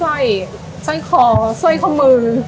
สวยคอกูวัหนตัหสวยคอมือ